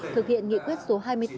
thực hiện nghị quyết số hai mươi bốn